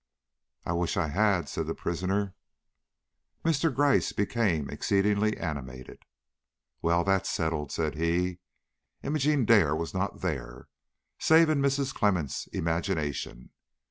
"I wish I had," said the prisoner. Mr. Gryce became exceedingly animated. "Well, that's settled," said he. "Imogene Dare was not there, save in Mrs. Clemmens' imagination.